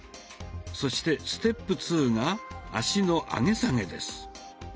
そしてステップツーが脚の上げ下げです。